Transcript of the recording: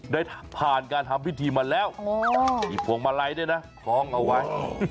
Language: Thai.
ได้ผ่านการทำพิธีมาแล้วมีพวงมาลัยด้วยนะคล้องเอาไว้